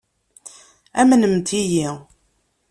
Amnemt-iyi.